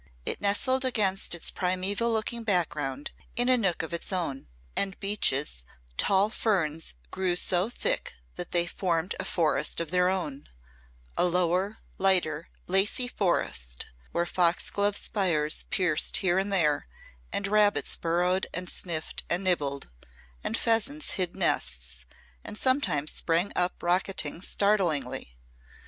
It nestled against its primæval looking background in a nook of its own. Under the broad branches of the oaks and beeches tall ferns grew so thick that they formed a forest of their own a lower, lighter, lacy forest where foxglove spires pierced here and there, and rabbits burrowed and sniffed and nibbled, and pheasants hid nests and sometimes sprang up rocketting startlingly.